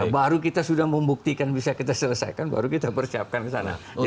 baru kita sudah membuktikan bisa kita selesaikan baru kita persiapkan ke sana